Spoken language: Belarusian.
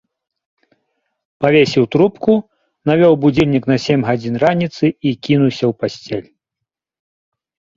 Павесіў трубку, навёў будзільнік на сем гадзін раніцы і кінуўся ў пасцель.